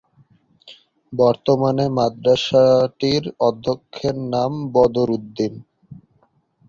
বর্তমানে মাদ্রাসাটির অধ্যক্ষের নাম বদর উদ্দীন।